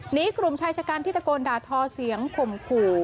หนีกลุ่มใช้ชะการที่ตะโกนดาทอเสียงข่มขู่